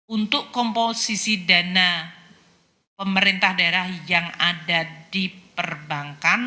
untuk komposisi dana pemerintah daerah yang ada di perbankan